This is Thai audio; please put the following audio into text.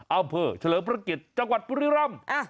เอาเพลิงเฉลิมพระเกศจังหวัดปริร่ำ